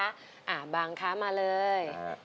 อะบังคะมาเลย